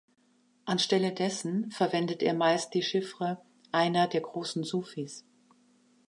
Anstelle dessen verwendet er meist die Chiffre "Einer der großen Sufis".